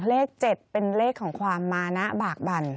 เลข๗เป็นเลขของความมานะบากบั่น